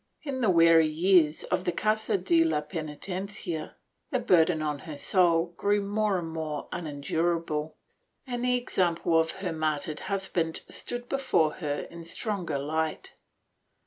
In the weary years of the casa de la penitencia, the burden on her soul grew more and more unendurable and the example of her martyred husband stood before her in stronger light.